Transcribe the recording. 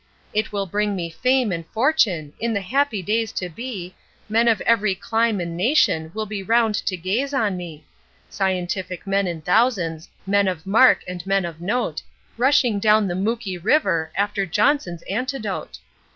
It will bring me fame and fortune! In the happy days to be, Men of every clime and nation will be round to gaze on me Scientific men in thousands, men of mark and men of note, Rushing down the Mooki River, after Johnson's antidote.